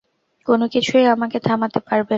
কোনোকিছুই আমাকে থামাতে পারবে না।